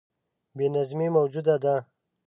بې نظمي موجوده ده.